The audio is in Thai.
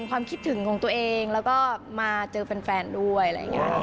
ความคิดถึงของตัวเองแล้วก็มาเจอแฟนด้วยอะไรอย่างนี้